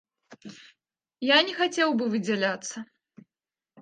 Я не хацеў бы выдзяляцца.